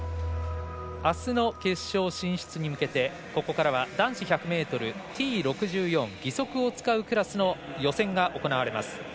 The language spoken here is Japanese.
あすの決勝進出に向けてここからは男子１００ｍＴ６４義足を使うクラスの予選が行われます。